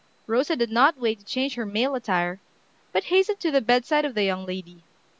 Rosa did not wait to change her male attire, but hastened to the bedside of the young lady.